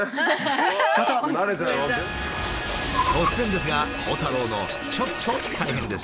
突然ですが鋼太郎のちょっと大変ですよ。